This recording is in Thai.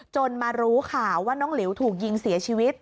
มารู้ข่าวว่าน้องหลิวถูกยิงเสียชีวิต